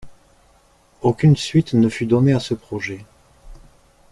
Aucune suite ne fut donnée à ce projet.